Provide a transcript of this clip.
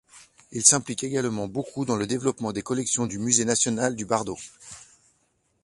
Il s'implique également beaucoup dans le développement des collections du musée national du Bardo.